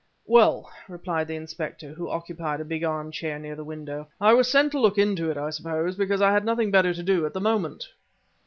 "Well," replied the inspector, who occupied a big armchair near the window, "I was sent to look into it, I suppose, because I had nothing better to do at the moment."